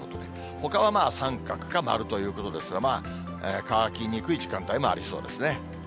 ほかは三角か丸ということですが、乾きにくい時間帯もありそうですね。